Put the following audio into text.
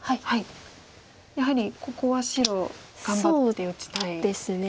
やはりここは白頑張って打ちたいですか。